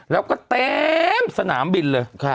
แล้วก็เต็มสนามบินเลย